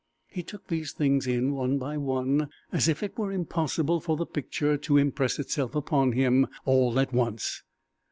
He took these things in one by one, as if it were impossible for the picture to impress itself upon him all at once.